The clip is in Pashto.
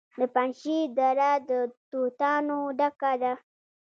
د پنجشیر دره د توتانو ډکه ده.